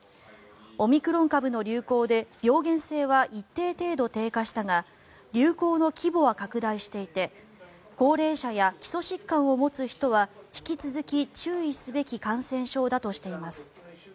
オミクロン株の流行で病原性は一定程度低下したが流行の規模は拡大していて高齢者や基礎疾患を持つ人は引き続き注意すべき感染症だとしています。